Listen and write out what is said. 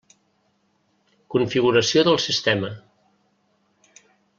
Configuració del sistema.